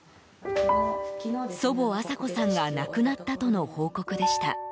祖母アサ子さんが亡くなったとの報告でした。